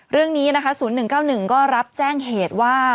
เรื่องนี้นะคะ๐๑๙๑ก็รับแจ้งเหตุว่า